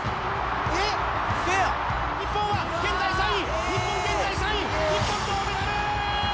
日本は現在３位日本現在３位日本銅メダル！